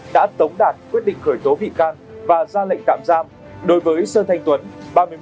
đã tống đạt quyết định khởi tố bị can và ra lệnh tạm giam đối với sơn thanh tuấn